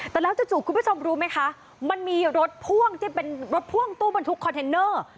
แต่แล้วจู่คุณผู้ชมรู้ไหมคะมันมีรถพ่วงที่เป็นรถพ่วงตู้บรรทุกคอนเทนเนอร์